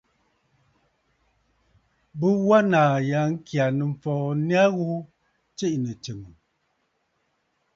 Bɨ wa nàà ya ŋkyà nɨ̂mfɔɔ nya ghu tsiʼì nɨ̀tsɨ̀mə̀.